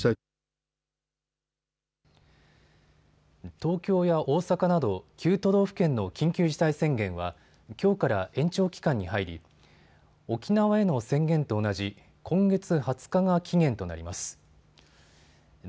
東京や大阪など９都道府県の緊急事態宣言はきょうから延長期間に入り沖縄への宣言と同じ今月２０日が期限となります。